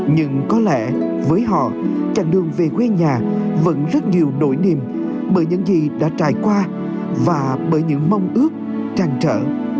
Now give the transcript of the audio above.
nhưng có lẽ với họ chặng đường về quê nhà vẫn rất nhiều đổi niềm bởi những gì đã trải qua và bởi những mong ước trăn trở